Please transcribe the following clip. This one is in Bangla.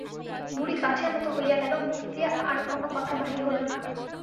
বুড়ি কাঠের মতো হইয়া গেল, মুখ দিয়া আর কোন কথা বাহির হইল না।